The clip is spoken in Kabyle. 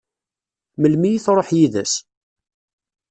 Melmi i tṛuḥ yid-s?